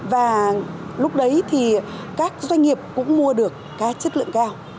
và lúc đấy thì các doanh nghiệp cũng mua được cái chất lượng cao